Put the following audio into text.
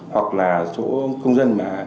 hoặc là số công dân